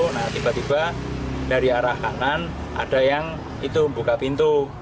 nah tiba tiba dari arah kanan ada yang itu buka pintu